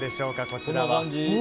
こちらは。